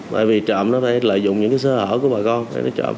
bởi vì trộm nó phải lợi dụng những cái sơ hở của bà con để nó trộm